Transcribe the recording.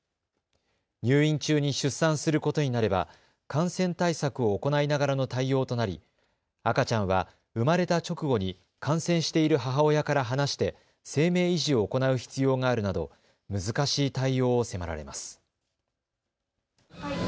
入院中に出産することになれば感染対策を行いながらの対応となり赤ちゃんは生まれた直後に感染している母親から離して生命維持を行う必要があるなど難しい対応を迫られます。